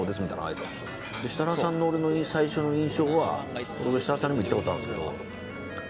設楽さんの俺の最初の印象は設楽さんにも言ったことあるんですけどえ？